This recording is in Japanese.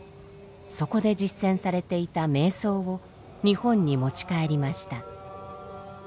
そこで実践されていた瞑想を日本に持ち帰りました。